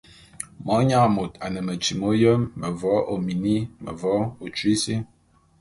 Monyang môt a ne metyi m'oyém; mevo'o ô mini, mevo'o ô tyui sí.